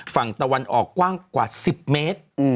ฝั่งตะวันออกกว้างกว่า๑๐เมตร